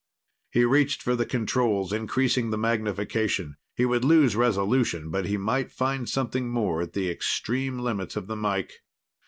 He reached for the controls, increasing the magnification. He would lose resolution, but he might find something more at the extreme limits of the mike.